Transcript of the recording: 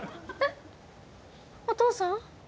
お父さん？